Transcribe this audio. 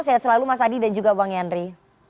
sehat selalu mas adi dan juga bang yandri